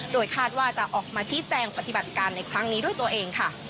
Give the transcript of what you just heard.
โดยคาดว่าจะออกมาชี้แจงปฏิบัติการในครั้งนี้ด้วยตัวเองค่ะ